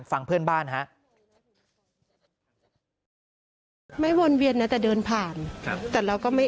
ฟังเพื่อนบ้านฮะ